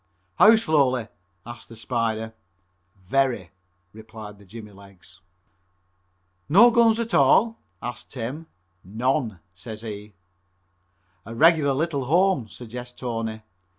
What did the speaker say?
"How slowly?" asks the Spider. "Very," replied the jimmy legs. "No guns at all?" asks Tim. "None," says he. "A regular little home," suggests Tony.